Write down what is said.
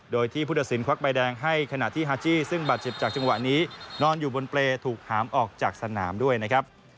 โดยที่พุทธศิลปวักใบแดงให้ขณะที่ฮาจี้ซึ่งบาดเจ็บจากจังหวะนี้นอนอยู่บนเปรย์ถูกหามออกจากสนามด้วยนะครับ